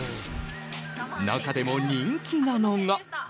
中でも人気なのが。